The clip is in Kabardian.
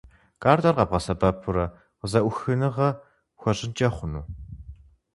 Картэр къэбгъэсэбэпурэ къызэӀухыныгъэ пхуэщӀынкӀэ хъуну?